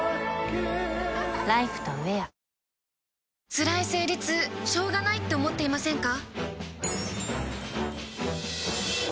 つらい生理痛しょうがないって思っていませんか？